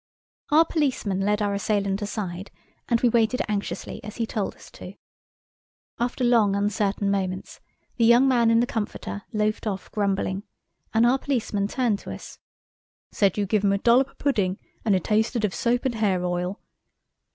Our policeman led our assailant aside, and we waited anxiously, as he told us to. After long uncertain moments the young man in the comforter loafed off grumbling, and our policeman turned to us. "Said you give him a dollop o' pudding, and it tasted of soap and hair oil."